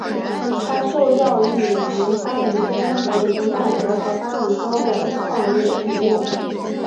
他受教育于巴黎综合理工大学和巴黎高等矿业学院。